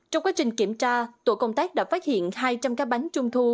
trong quá trình kiểm tra tổ công tác đã phát hiện hai trăm linh cá bánh trung thu